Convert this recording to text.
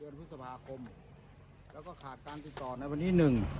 เดือนภาพภาคมแล้วก็ขาดการติดต่อในวันที่๑